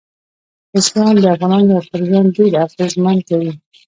بزګان د افغانانو پر ژوند ډېر اغېزمن کوي.